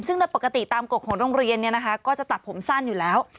ซึ่งโดยปกติตามกฎของโรงเรียนก็จะตัดผมสั้นอยู่แล้ว